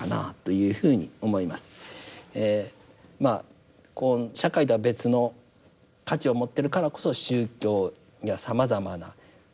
まあ社会とは別の価値を持ってるからこそ宗教にはさまざまな棘も毒もある。